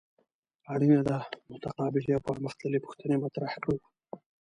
اړینه ده متقابلې او پرمخ تللې پوښتنې مطرح کړو.